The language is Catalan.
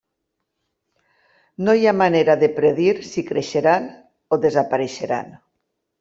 No hi ha manera de predir si creixeran o desapareixeran.